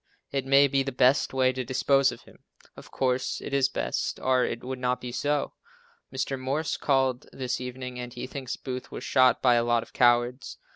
It may be the best way to dispose of him. Of course, it is best, or it would not be so. Mr. Morse called this evening and he thinks Booth was shot by a lot of cowards.